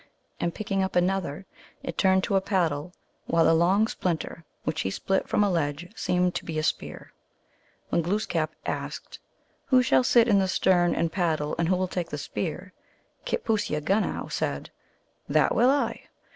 And picking up another, it turned to a paddle, while a long splinter which he split from a ledge seemed to be a spear. Then Gloos kap asked, " Who shall sit in the stern and paddle, and who will take the spear ?" Kitpooseagunow said, " That will I."